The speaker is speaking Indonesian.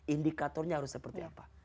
indikatornya harus seperti apa